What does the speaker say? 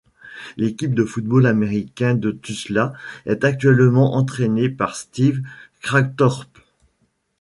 L'équipe de football américain de Tulsa est actuellement entrainée par Steve Kragthorpe.